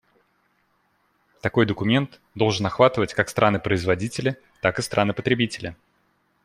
Такой документ должен охватывать как страны-производители, так и страны-потребители.